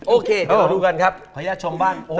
โอเคเดี๋ยวเราดูกันครับภัยยาชมบ้าน